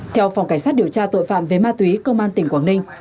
theo phòng cảnh sát điều tra tội phạm về ma túy công an tỉnh quảng ninh